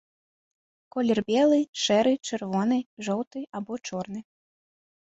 Колер белы, шэры, чырвоны, жоўты або чорны.